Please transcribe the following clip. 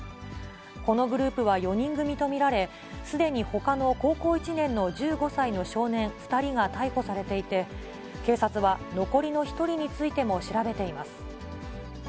このグループは４人組と見られ、すでにほかの高校１年の１５歳の少年２人が逮捕されていて、警察は残りの１人についても調べています。